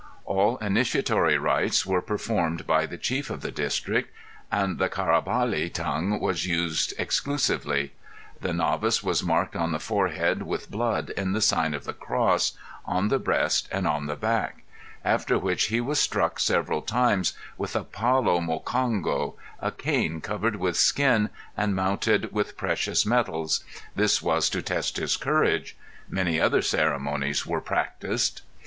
All initiatory rites were performed by the chief of the district and the Carabali tongue was used exclusively. The novice was marked on the forehead with blood in the sign of the cross + on the breast +/o|o/+ and on the back o/o|o/o after which he was struck several times with the palo Mocongo, a cane covered with skin and mounted with precious metals; this was to test his courage; many other ceremonies were practiced.